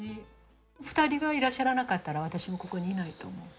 ２人がいらっしゃらなかったら私もここにいないと思う。